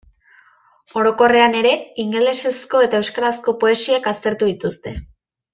Orokorrean ere ingelesezko eta euskarazko poesiak aztertu dituzte.